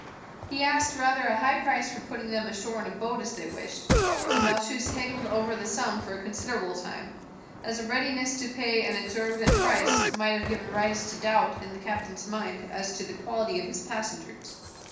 He asked rather a high price for putting them ashore in a boat as they wished, and Malchus haggled over the sum for a considerable time, as a readiness to pay an exorbitant price might have given rise to doubts in the captain's mind as to the quality of his passengers.